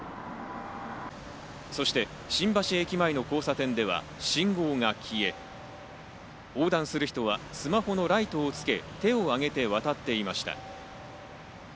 そして新橋駅前の交差点では信号が消え、横断する人はスマホのライトをつけ、手を上げて渡っていました。